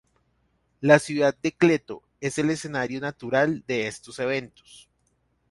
La ciudad de Cleto es el escenario natural de estos eventos.